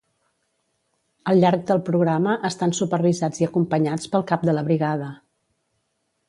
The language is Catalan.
Al llarg del programa, estan supervisats i acompanyats pel cap de la brigada